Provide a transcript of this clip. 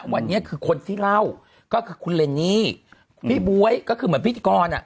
วันนี้คือคนที่เล่าก็คือคุณเรนนี่พี่บ๊วยก็คือเหมือนพิธีกรอ่ะ